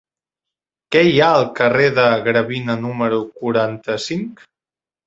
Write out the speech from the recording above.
Què hi ha al carrer de Gravina número quaranta-cinc?